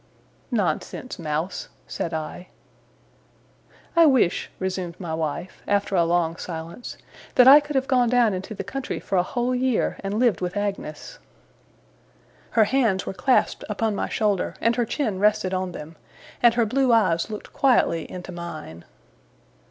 'Nonsense, mouse!' said I. 'I wish,' resumed my wife, after a long silence, 'that I could have gone down into the country for a whole year, and lived with Agnes!' Her hands were clasped upon my shoulder, and her chin rested on them, and her blue eyes looked quietly into mine.